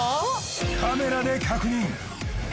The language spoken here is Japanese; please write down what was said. カメラで確認